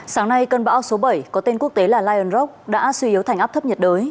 sáng nay cơn bão số bảy có tên quốc tế là lionrok đã suy yếu thành áp thấp nhiệt đới